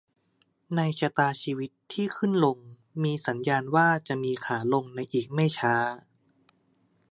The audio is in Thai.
ในชะตาชีวิตที่ขึ้นลงมีสัญญาณว่าจะมีขาลงในอีกไม่ช้า